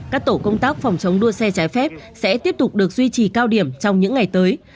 các tổ công tác phòng chống đua xe trái phép sẽ tiếp tục được duy trì cao điểm trong những ngày tới